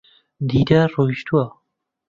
دیدار ڕۆیشتووە.